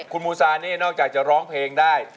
คุณมูซานี่นอกจากจะร้องเพลงได้